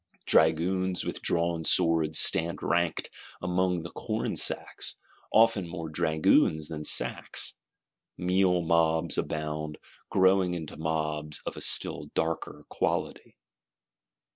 Dragoons with drawn swords stand ranked among the corn sacks, often more dragoons than sacks. Meal mobs abound; growing into mobs of a still darker quality.